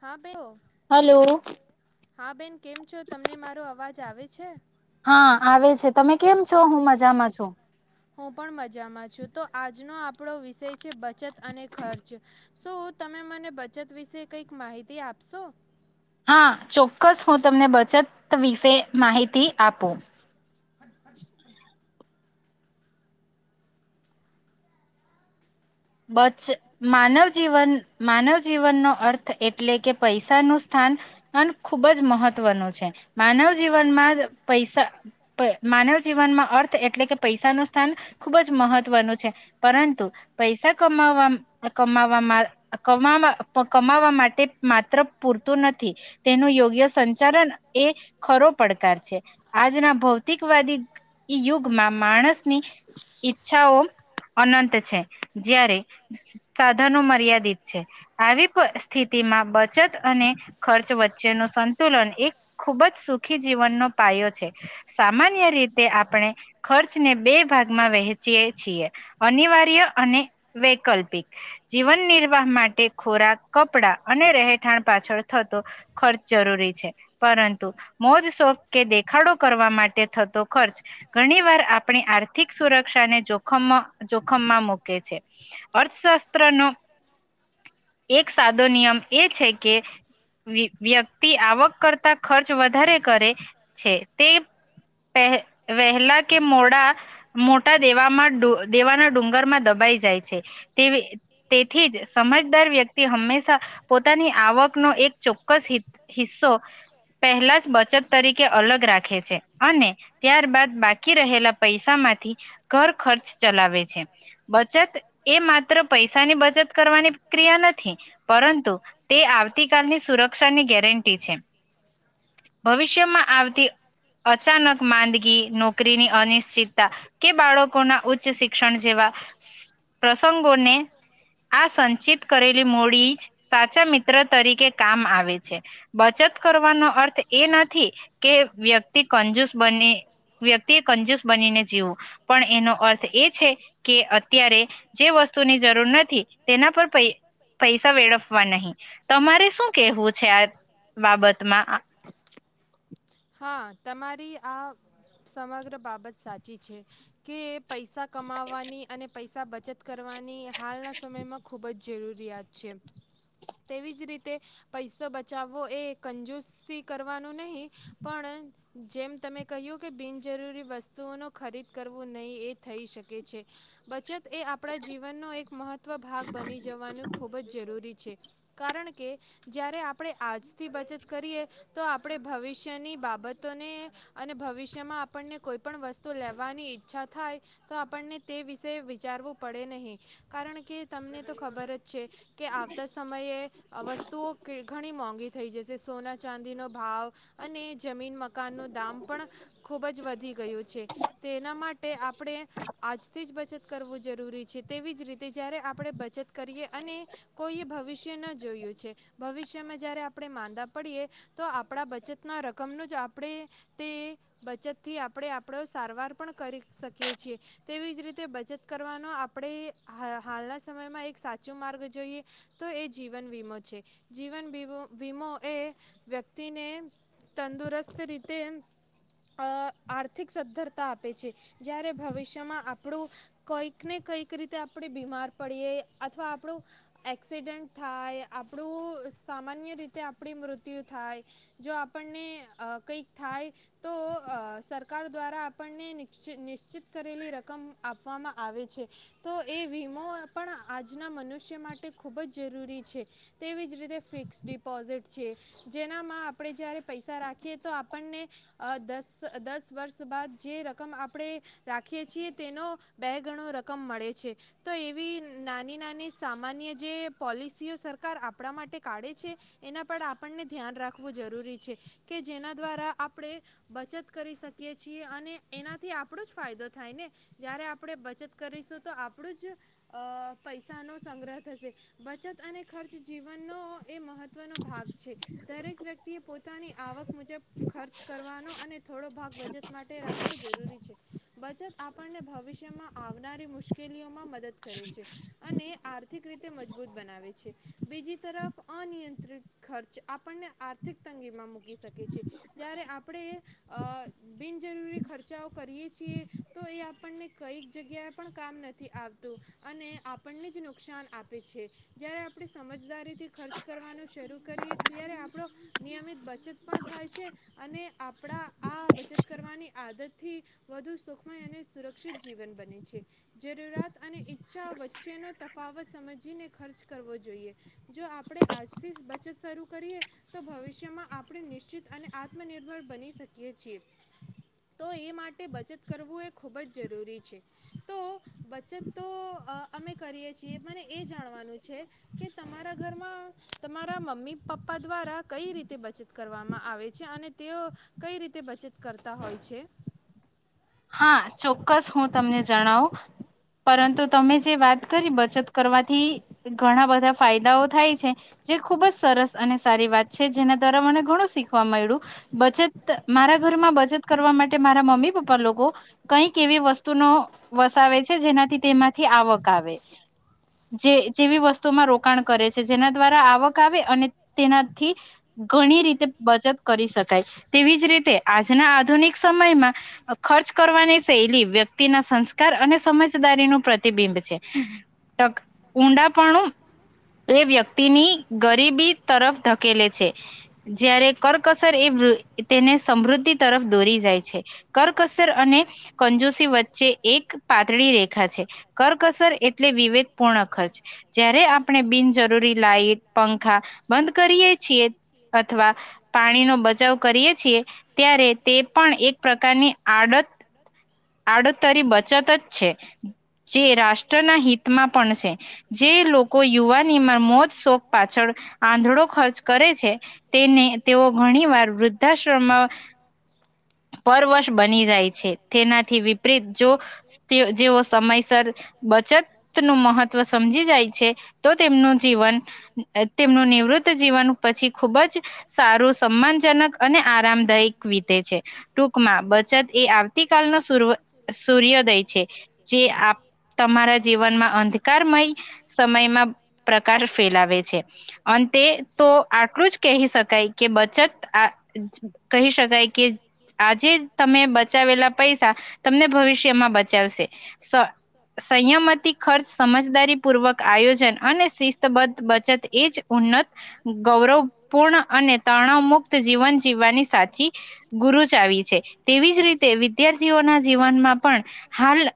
હા. હલો. હા બેન કેમ છો તમને મારો અવાજ આવે છે? હા આવે છે તમે કેમ છો? હું મજામાં છું. હું પણ મજામાં છું તો આજનો આપ આપડો વિષય છે બચત અને ખર્ચ. શું તમે મને બચત વિશે કઈક માહિતી આપશો? હા ચોક્કસ હું તમને બચત વિશે માહિતી આપું. બચ માનવ જીવન માનવ જીવનનો અર્થ એટલે કે પૈસાનું સ્થાન ખૂબ જ મહત્વનું છે. માનવ જીવનમાં જ પૈસા પાઈ માનવ જીવનમાં અર્થ એટલે કે પૈસા ન સ્થાન ખૂબ જ મહત્વનું છે. પરંતુ પૈસા કમાવા કમાવામાં કમા કમાવા માટે માત્ર પૂરતું નથી તેનું યોગ્ય સંચાલન એ ખરો પડકાર છે આજના ભૌતિકવાદી યુગમાં માણસની ઈચ્છાઓ અનંત છે. જ્યારે સ સાધનો મર્યાદિત છે આવી સ્થિતિમાં બચત અને ખર્ચ વચ્ચેનું સંતુલન એક ખૂબ જ સુખી જીવનનો પાયો છે. સામાન્ય રીતે આપણે ખર્ચને બે ભાગમાં વહેંચીય છીએ અનિવાર્ય અને વૈકલ્પિક. જીવન નિર્વાહ માટે ખોરાક કપડા અને રહેઠાણ પાછળ થતો ખર્ચ જરૂરી છે પરંતુ મોજ શોક કે દેખાડો કરવા માટે થતો ખર્ચ ઘણી વાર આપણી આર્થિક સુરક્ષાને જોખમ જોખમમાં મૂકે છે. અર્થશાસ્ત્ર નો એક સાદો નિયમ એ છે કે વ્ય વ્યક્તિ આવક કરતા ખર્ચ વધારે કરે છે તે પહે વહેલા કે મોડા મોટા દેવામાં દેવાના ડુંગર માં દબાઈ. છે તે તેથી જ સમજદાર વ્યક્તિ હંમેશા પોતાની આવકનો એક ચોક્કસ હિ હિસ્સો પહેલા જ બચત તરીકે અલગ રાખે છે અને ત્યારબાદ બાકી રહેલા પૈસામાંથી ઘર ખર્ચ ચલાવે છે. બચત એ માત્ર પૈસાની બચત કરવાની ક્રિયા નથી પરંતુ તે આવતી કાલની સુરક્ષાની ગેરંટી છે. ભવિષ્યમાં આવતી અચાનક માંદગી નોકરીની અનિશ્ચિતતા કે બાળકોના ઉચ્ચ શિક્ષણ જેવા પ્રસંગોને આ સંચિત કરેલી મૂડી જ સાચા મિત્ર તરીકે કામ આવે છે. બચત કરવાનો અર્થ એ નથી કે વ્યક્તિ કંજુસ બની વ્યક્તિએ કંજુસ બનીને જીવવું પણ એનો અર્થ એ છે કે અત્યારે જે વસ્તુની જરૂર નથી તેના પર પ પૈસા વેળફવા નહી. તમારે શું કેહેવું છે આ બાબતમાં? હા તમારી આ સમગ્ર બાબત સાચી છે કે. પૈસા કમાવવાની અને. પૈસા બચત કરવાની હાલના સમયમાં ખૂબ જ જરૂરિયાત છે તેવી જ રીતે પૈસો બચાવવો એ કંજુસથી કરવાનું નહીં પણ જેમ તમે કહ્યું કે બિનજરૂરી વસ્તુઓનો ખરીદ કરવો નહીં એ થઈ શકે છે. બચત એ આપણા જીવનનો એક મહત ભાગ બની જવાનું ખૂબ જ જરૂરી. છે કારણ કે જ્યારે આપણે આજથી બચત કરીએ તો આપણે ભવિષ્યની બાબતોને અને ભવિષ્યમાં આપણને કોઈ પણ વસ્તુ લેવાની ઈચ્છા થાય તો આપણને તે વિશ તે વિચારવું પડે નહીં કારણ કે તમને તો ખબર જ. છે કે આવતા સમયે વસ્તુઓ ઘણી મોંઘી. થઈ જશે સોના ચાંદીનો ભાવ. અને જમીન મકાનનું દામ પણ ખુબ જ વધી ગયું છે તેના માટે આપણે આજથી જ બ ચત કરવું જરૂરી છે તેવી જ રીતે જ્યારે આપણે બચત કરીએ અને કોઈએ ભવિષ્ય ન જોયું છે ભવિષ્યમાં જ્યારે આપણે માંદા પડીએ તો આપણા બચતના રકમનું જ આપણે તે બચતથી આપણે આપણો સારવાર પણ કરી શકીએ છીએ તેવી જ રીતે. બચત કરવાનો આપણે હાલના સમયમાં એક સાચો માર્ગ જોઈએ તો એ જીવન વીમો છે જીવન વીમો એ વ્યક્તિને. તંદુરસ્ત રીતે. અ આર્થિક સદ્ધરતા આપે છે જ્યારે ભવિષ્યમાં આપ પણું કંઈકને કંઈક રીતે આપણે બીમાર પડીએ અથવા આપણું એક્સિડન્ટ થાય આપણું સામાન્ય રીતે આપણી મૃત્યુ થાય જો આપણને કંઈક થાય તો સરકાર દ્વારા આપણને્ નિશ્ચિત કરેલી રક. રકમ આપવામાં આવે છે તો એ વીમો પણ આજના મનુષ્ય માટે ખૂબ જ જરૂરી છે તેવી જ રીતે ફિક્સ ડિપોઝિટ છે જેનામાં આપણે જ્યારે પૈસા રાખીએ તો આપણને દસ દસ વર્ષ બાદ જે રકમ આપણે રાખીએ છીએ. તેનો બે ગણો રકમ મળે છે તો એવી નાની નાની સામાન્ય જે પોલિસીઓ સરકાર આપણા માટે કાઢે છે એના પર આપણને ધ્યાન રાખવું જરૂરી છે કે જેના દ્વારા આપણે બચત કરી શકીએ છીએ અને એનાથી આપણું જ ફાયદો થાય ને? જયારે આપણે બચત કરીશું તો આપણું જ અ પૈસા નો સંગ્રહ થશે બચત અને ખર્ચ જીવનનો. એ મહત્વનો ભાગ છે. દરેક વ્યક્તિએ પોતાની આવક મુજબ ખર્ચ કરવાનો અને થોડો ભાગ બચત માટે રાખવો જરૂરી છે બચત આપણને ભવિષ્યમાં આવનારી મુશ્કેલીઓમાં મદદ કરે છે અને આર્થિક રીતે મજબૂત બનાવે છે બીજી તરફ અનિયંત્રિત ખર્ચ આપણને આર્થિક તંગીમાં મૂકી શકે છે જ્યારે આપણે અ બિનજરૂરી ખર્ચાઓ કરીએ છીએ તો એ આપણને કઈક જગ્યાએ પણ કામ નથી આવતું અને આપણને જ નુકસાન આપે છે જ્યારે આપણે સમજ- જદારીથી ખર્ચ કરવાનો શરૂ કરીએ ત્યારે આપણો નિયમિત બચત પણ થાય છે અને આપણા આ બચત કરવાની આદતથી વધુ સુખ સુરક્ષિત જીવન બને છે, જરૂરિયાત અને ઈચ્છા વચ્ચેનો તફાવત સમજીને ખર્ચ કરવો જોઈએ જો આપણે આજથી બચત શરૂ કરીએ તો ભવિષ્યમાં આપણે નિશ્ચિત અને આત્મનિર્ભર બની શકીએ છીએ તો એ માટે બચત કરવું એ ખૂબ જ જરૂરી છે, તો બચત તો અમે કરીએ છીએ મને એ જાણવાનું છે કે તમારા ઘરમાં તમારા મમ્મી-પપ્પા દ્વારા કઈ રીતે બચત કરવામાં આવે છે અને તેઓ કઈ રીતે બચત કરતા હોય છે હા, ચોક્કસ હું તમને જણાવું પરંતુ તમે જે વાત કરી બચત કરવાથી ઘણા બધા ફાયદાઓ થાય છે જે ખુબ જ સરસ અને સારી વાત છે જેના દ્વારા મને ઘણું શીખવા મળ્યું બચત મારા ઘરમાં બચત કરવા માટે મારા મમ્મી પપ્પા લોકો કઈક એવી વસ્તુનો વસાવે છે, જેનાથી તેમાંથી આવક આવે જે જેવી વસ્તુમાં રોકાણ કરે છે, જેના દ્વારા આવક આવે અને તેનાથી ઘણી રીતે બચત કરી શકાય તેવી જ રીતે આજના આધુનિક સમયમાં ખર્ચ કરવાની શૈલી વ્યક્તિના સંસ્કાર અને સમજદારી નું પ્રતિબિંબ છે, ઊંડાપણું એ વ્યક્તિની ગરીબી તરફ ધકેલે છે, જ્યારે કરકસર એ તેને સમૃદ્ધિ તરફ દોરી જાય છે કરકસર અને કંજોસી વચ્ચે એક પાતળી રેખા છે કરકસર એટલે વિવેક પૂર્ણ ખર્ચ જયારે આપણે બિનજરૂરી લાઈટ પંખા બંધ કરીએ છીએ અથવા પાણી નો બચાવ કરીએ છીએ ત્યારે તે પણ એક પ્રકારની આડત આડતરી બચત જ છે જે રાષ્ટ્રના હિતમાં પણ છે જે લોકો યુવાનીમાં મોત શોક પાછળ આંધળો ખર્ચ કરે છે તેને તેઓ ઘણી વાર વૃદ્ધાશ્રમ પર વર્ષ બની જાય છે તેના થી વિપરીત જો જેવો સમયસર બચત નું મહત્વ સમજી જાય છે તો તેમનું જીવન તેમનું નિવૃત જીવન પછી ખુબ જ સારું સમાનજનક અને આરામદાયક વિતેે છે ટૂક માં બચત એ આવતીકાલનો સુ ર સૂર્યોદય છે જે તમારા જીવનમાં અંધકારમય સમયમાં પ્રકાર ફેલાવે છે, અંતે તો આટલું જ કહી શકાય કે બચત આ કહી શકાય કે. તમે બચાવેલા પૈ તમને ભવિષ્યમાં બચાવશે સંયમતી ખર્ચ સમજદારી પૂર્વક આયોજન અને શિસ્તબદ્ધ બચત એ જ ઉન્નત ગૌરવપૂર્ણ અને તણાવ મુુક્ત જીવન જીવવાની સાચી ગુરુ તેવી જ રીતે વિદ્યાર્થીઓના જીવનમાં પણ હાલ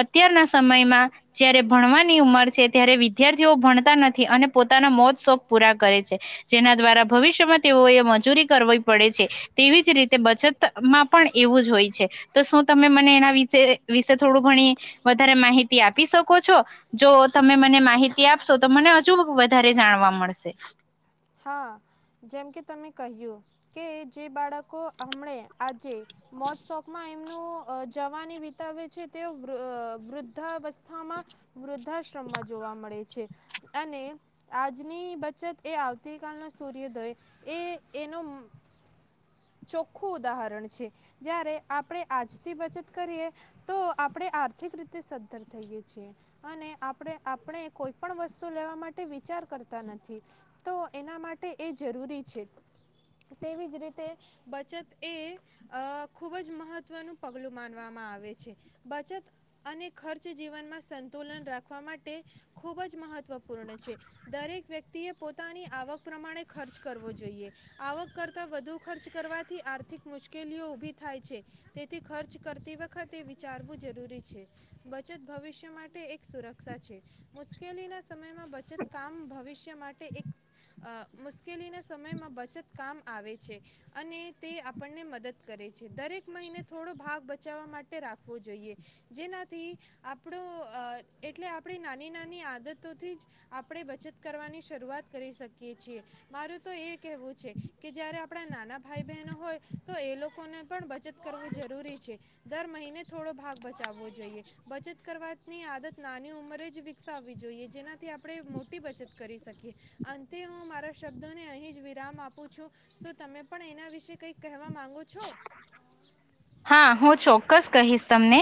અત્યારના સમયમાં જયારે ભણવાની ઉંમર છે ત્યારે વિદ્યાર્થીઓ ભણતા નથી અને પોતાના મોત શોખ પૂરા કરે છે, જેના દ્વારા ભવિષ્યમાં તેઓએ મજૂરી કરવી પડે છે તેવી જ રીતે બચત. માં પણ એવું જ હોય છે. તો શું તમે મને એના વિશે વિશે થોડું ઘણી વધારે માહિતી આપી શકો છો, જો તમે મને માહિતી આપશો તો મને હજુ વધારે જાણવા મળશે? કે જે બાળકો હમણે. આજે. મોજ શોકમાં નું જવાની વિતાવે છે તે વૃદ્ધાવસ્થામાં વૃદ્ધાશ્રમમાં જોવા મળે છે, અને આજની બચત એ આવતીકાલનો સૂર્યોદય એ એનો ચોખ્ખું. ઉદાહરણ છે જ્યારે આપણે આજથી બચત કરીએ તો આપણે આર્થિક રીતે સદ્ધર થઈએ છીએ અને આપણે આપણે કોઈ પણ વસ્તુ લેવા માટે વિચાર કરતા નથી તો એના માટે એ જરૂરી છે, તેવી જ રીતે બચત. એ ખૂબ જ મહત્ત્વનું પગલું માનવામાં આવે છે બચત અને ખર્ચ જીવનમાં સંતુલન રાખવા માટે ખૂબ જ મહત્ત્વ. પૂર્ણ છે દરેક વ્યક્ત પોતાની આવક પ્રમાણે ખર્ચ કરવો જોઈએ આવક કરતા વધુ ખર્ચ કરવાથી આર મુશ્કેલીઓ ઉભી થાય છે તેથી ખર્ચ કરતી વખતે વિચારવું જરૂરી છે બચત ભવિષ્ય માટે એક સુરક્ષા છે મુશ્કેલીના સમયમાં બચત કામ ભવિષ્ય માટે એક મુશ્કેલીના સમયમાં બચત કામ આવે છે અને તે આપણને મદદ કરે છે દરેક મહિને થોડો ભાવ બચાવવા માટે રાખવો જોઈએ જેનાથી આપણો એટલે આપણી નાની નાની આદતોથી જ આપણે બચત કરવાની શરૂઆત કરી શકીએ છીએ મારું તો એ કહેવું છે કે જ્યારે આપણા નાના ભાઈ બહેનો હોય તો એ લોકોને પણ બચત કરવું જરૂરી છે દર મહિને થોડો ભાગ બચાવવો જોઈએ બચત કરવાની આદત નાની ઉંમરે જ વિકસાવવી જોઈએ જેનાથી આપણે મોટી બચત કરી શકીએ અંતે હું મારા શબ્દોને અહીં જ વિરામ આપું છું તો તમે પણ એના વિશે કઈક કહેવા માંગો છો. હા હું ચોક્કસ કહીશ તમને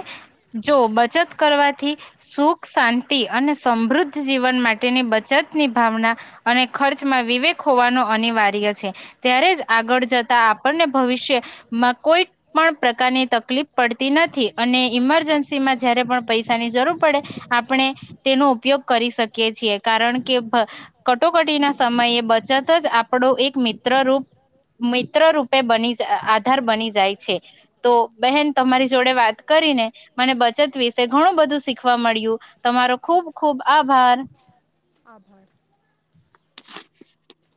જો બચત કરવાથી સુખ શાંતિ અને સમૃદ્ધ જીવન માટેની બચતની ભાવના અને ખર્ચમાં વિવેક હોવાનું અનિવાર્ય છે ત્યારે જ આગળ જતા આપણને ભવિષ્યમાં કોઈ પ્રકારની તકલીફ પડતી નથી અને ઈમરજન્સી માં જયારે પણ પૈસાની જરૂર પડે આપણે તેનો ઉપયોગ કરી શકીએ છીએ કારણ કે કટોકટીના સમયે બચત જ આપણો એક મિત્ર રૂપ મિત્ર રૂપે બની જાય આધાર બની જાય. તો બહેન તમારી જોડે વાત કરીને મને બચત વિશે ઘણું બધું શીખવા મળ્યું તમારો ખુબ ખુબ આભાર. આભાર. [unintelligible]